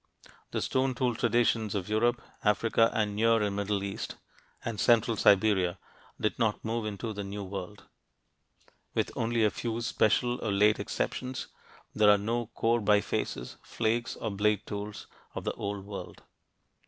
The stone tool traditions of Europe, Africa, the Near and Middle East, and central Siberia, did not move into the New World. With only a very few special or late exceptions, there are no core bifaces, flakes, or blade tools of the Old World.